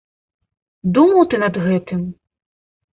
Думаў ты над гэтым?